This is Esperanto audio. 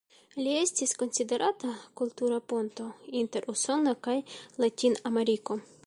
Li estis konsiderata kultura ponto inter Usono kaj Latinameriko.